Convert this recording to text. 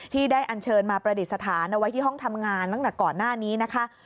ได้อันเชิญมาประดิษฐานเอาไว้ที่ห้องทำงานตั้งแต่ก่อนหน้านี้นะคะ